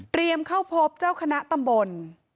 เตรียมเข้าพบเจ้าคณะตำบล